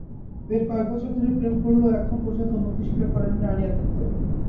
বেশ কয়েক বছর ধরে প্রেম করলেও এখন পর্যন্ত মুখে স্বীকার করেননি রানী-আদিত্য।